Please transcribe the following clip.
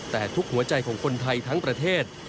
แต่ทุกหัวใจของคนไทยทั้งประเทศ